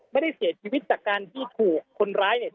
ไม่ได้เสียชีวิตจากการที่ถูกคนร้ายเนี่ย